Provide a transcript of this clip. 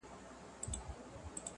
او ستا د ښكلي شاعرۍ په خاطر.